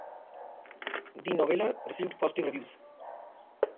The novella received positive reviews.